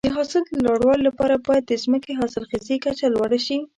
د حاصل د لوړوالي لپاره باید د ځمکې حاصلخیزي کچه لوړه شي.